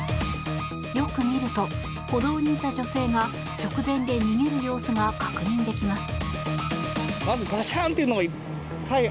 よく見ると歩道にいた女性が直前で逃げる様子が確認できます。